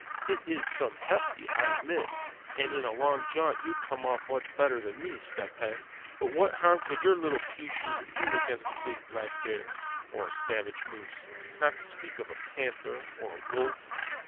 It is some hefty, I admit; and in a long jaunt you'd come off much better than me, Step Hen. But what harm could your little pea shooter do against a big black bear, or a savage moose, not to speak of a panther, or a wolf?"